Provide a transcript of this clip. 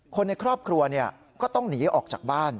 คนในครอบครัวก็ต้องหนีออกจากบ้าน